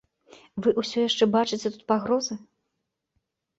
Вы ўсё яшчэ бачыце тут пагрозы?